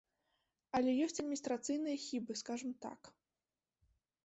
Але ёсць адміністрацыйныя хібы, скажам так.